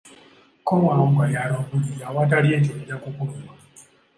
Ko Wambwa, yala obuliri, awatali ekyo nja kukuluma.